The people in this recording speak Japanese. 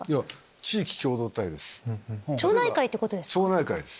地域共同体です。